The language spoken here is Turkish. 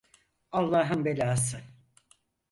Allah'ın belası!